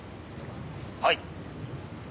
はい。